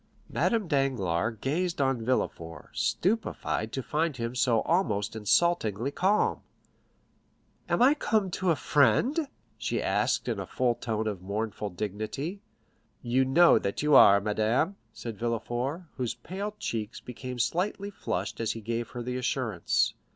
Madame Danglars gazed on Villefort, stupefied to find him so almost insultingly calm. "Am I come to a friend?" she asked in a tone full of mournful dignity. "You know that you are, madame," said Villefort, whose pale cheeks became slightly flushed as he gave her the assurance.